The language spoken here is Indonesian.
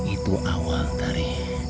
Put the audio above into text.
itu awal dari